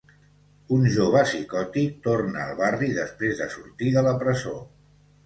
Un jove psicòtic torna al barri després de sortir de la presó.